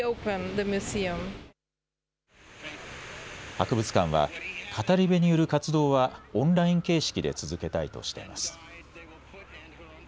博物館は語り部による活動はオンライン形式で続けたいとしています。